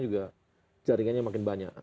juga jaringannya makin banyak